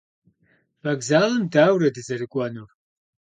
Bokzalım daure dızerık'uenur?